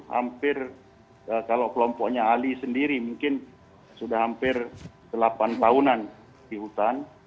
hampir kalau kelompoknya ali sendiri mungkin sudah hampir delapan tahunan di hutan